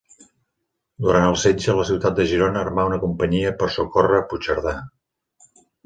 Durant el setge, la ciutat de Girona armà una companyia per socórrer Puigcerdà.